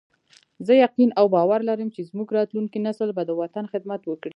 زه یقین او باور لرم چې زموږ راتلونکی نسل به د وطن خدمت وکړي